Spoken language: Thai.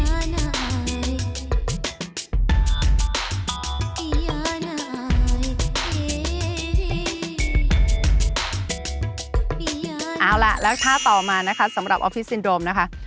เอาล่ะเอาล่ะแล้วท่าต่อมานะคะสำหรับออฟฟิศซินโดมนะคะ